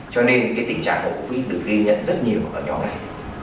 cho nên cái tình trạng của covid được ghi nhận rất nhiều ở nhóm này